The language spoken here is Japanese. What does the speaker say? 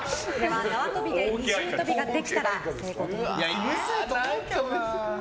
縄跳びで二重跳びができたら成功となります。